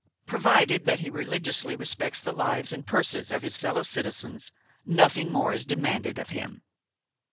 Provided that he religiously respects the lives and purses of his fellow citizens, nothing more is demanded of him.